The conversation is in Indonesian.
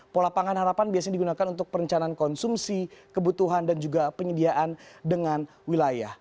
pola pangan harapan biasanya digunakan untuk perencanaan konsumsi kebutuhan dan juga penyediaan dengan wilayah